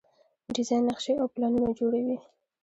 ډیزاین نقشې او پلانونه جوړوي.